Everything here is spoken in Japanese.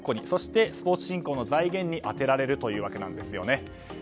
そして、スポーツ振興の財源に充てられるというわけです。